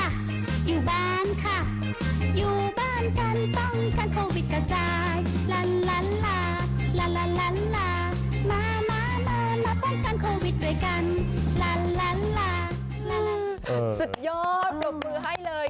สุดยอดปรบมือให้เลย